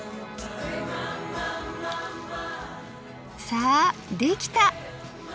さあできた！